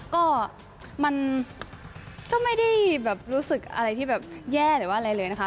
ก็มันก็ไม่ได้แบบรู้สึกอะไรที่แบบแย่หรือว่าอะไรเลยนะคะ